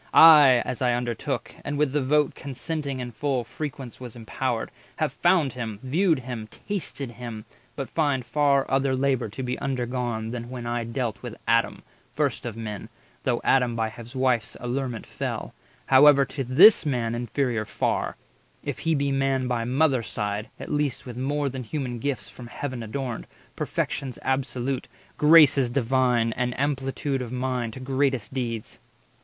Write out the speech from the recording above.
I, as I undertook, and with the vote Consenting in full frequence was impowered, 130 Have found him, viewed him, tasted him; but find Far other labour to be undergone Than when I dealt with Adam, first of men, Though Adam by his wife's allurement fell, However to this Man inferior far— If he be Man by mother's side, at least With more than human gifts from Heaven adorned, Perfections absolute, graces divine, And amplitude of mind to greatest deeds.